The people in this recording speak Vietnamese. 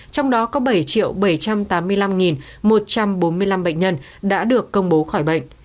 trong đó có bảy bảy trăm tám mươi năm một trăm bốn mươi năm bệnh nhân đã được công bố khỏi bệnh